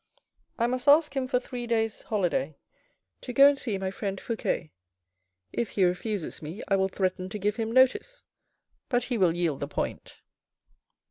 I must ask him for three days' holiday to go and see my friend Fouque If he refuses me I will threaten to give him notice, but he will yield the point.